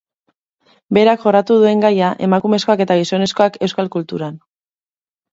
Berak jorratu duen gaia, emakumezkoak eta gizonezkoak euskal kulturan.